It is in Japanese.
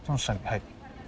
はい。